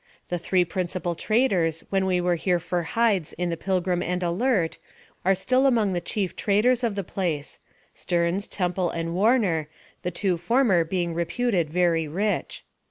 The three principal traders when we were here for hides in the Pilgrim and Alert are still among the chief traders of the place, Stearns, Temple, and Warner, the two former being reputed very rich.